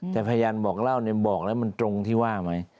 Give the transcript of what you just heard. แต่พยานบอกเล่าเนี่ยบอกแล้วมันตรงที่ว่าไหม